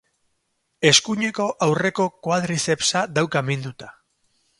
Eskuineko aurreko koadrizepsa dauka minduta.